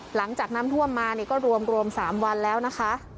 หลังจากน้ำท่วมมาก็รวม๓วันแล้วนะคะ